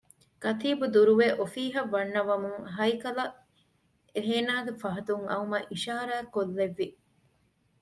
ކަތީބު ދުރުވެ އޮފީހަށް ވަންނަވަމުން ހައިކަލަށް އޭނާގެ ފަހަތުން އައުމަށް އިޝާރާތްކޮށްލެއްވި